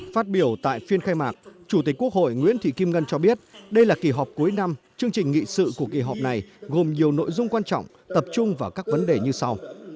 phát biểu tại phiên khai mạc chủ tịch quốc hội nguyễn thị kim ngân cho biết đây là kỳ họp cuối năm chương trình nghị sự của kỳ họp này gồm nhiều nội dung quan trọng tập trung vào các vấn đề như sau